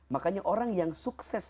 makanya orang yang sukses